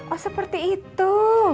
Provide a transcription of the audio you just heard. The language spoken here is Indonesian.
oh seperti itu